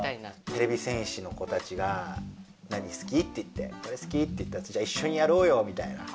てれび戦士の子たちが「何好き？」って言って「これ好き」って言ったやつをじゃあいっしょにやろうよみたいな。